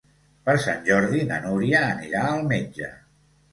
Per Sant Jordi na Núria anirà al metge.